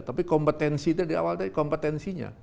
tapi kompetensinya di awal tadi kompetensinya